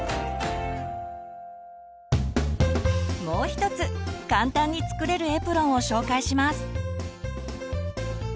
もう一つ簡単に作れるエプロンを紹介します。